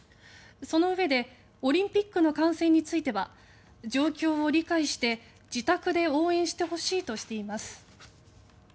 そのうえでオリンピックの観戦については状況を理解して、自宅で応援してほしいとしています。